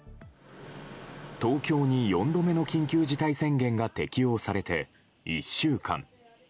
東京に４度目の緊急事態宣言が適用されて１週間。